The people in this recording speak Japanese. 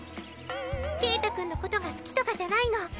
ケータくんのことが好きとかじゃないの。